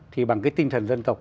thì bằng cái tinh thần dân tộc